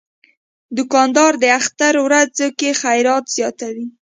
دوکاندار د اختر ورځو کې خیرات زیاتوي.